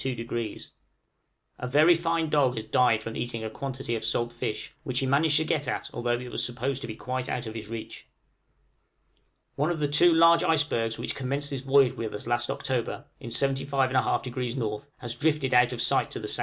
A very fine dog has died from eating a quantity of salt fish, which he managed to get at although it was supposed to be quite out of his reach. One of the two large icebergs which commenced this voyage with us last October, in 75 1/2° N., has drifted out of sight to the S.E.